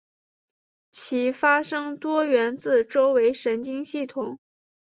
其发生多源自周围神经系统。